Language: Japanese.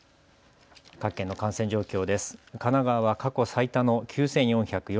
各県の感染状況。